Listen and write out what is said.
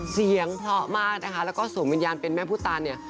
เสียงเพราะมากนะคะแล้วก็สวมวิญญาณเป็นแม่ผู้ตานเนี่ย